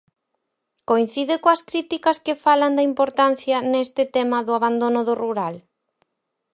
Coincide coas críticas que falan da importancia neste tema do abandono do rural?